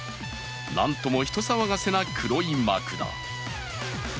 なんとも人騒がせな黒い膜だ。